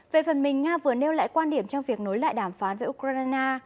về phần mình nga vừa nêu lại quan điểm trong việc nối lại đàm phán với ukraine